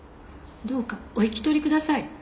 どうかお引き取りください。